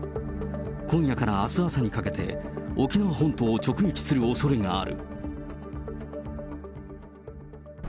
今夜からあす朝にかけて、沖縄本島を直撃するおそれがある。